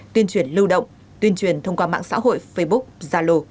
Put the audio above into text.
tuyên truyền lưu động tuyên truyền thông qua mạng xã hội facebook zalo